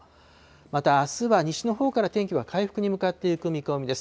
またあすは西のほうから天気は回復に向かっていく見込みです。